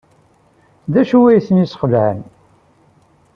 D acu ay tent-yesxelɛen?